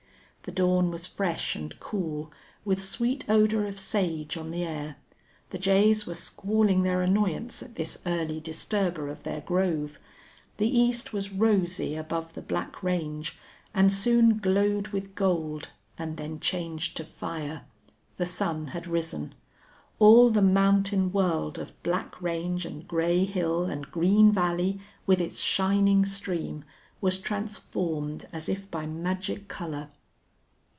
The dawn was fresh and cool, with sweet odor of sage on the air; the jays were squalling their annoyance at this early disturber of their grove; the east was rosy above the black range and soon glowed with gold and then changed to fire. The sun had risen. All the mountain world of black range and gray hill and green valley, with its shining stream, was transformed as if by magic color.